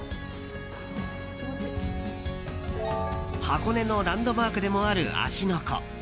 箱根のランドマークでもある芦ノ湖。